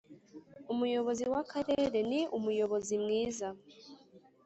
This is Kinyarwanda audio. Umuyobozi w ‘akarere ni Umuyobozi mwiza.